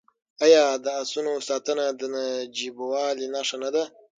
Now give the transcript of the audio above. آیا د اسونو ساتنه د نجیبوالي نښه نه ده؟